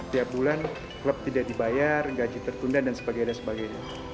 tiap bulan klub tidak dibayar gaji tertunda dan sebagainya